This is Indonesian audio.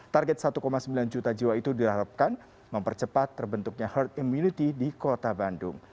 target satu sembilan juta jiwa itu diharapkan mempercepat terbentuknya herd immunity di kota bandung